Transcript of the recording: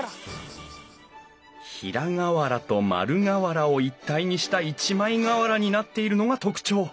平瓦と丸瓦を一体にした一枚瓦になっているのが特徴。